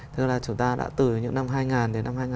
tức là chúng ta đã từ những năm hai nghìn đến năm hai nghìn bốn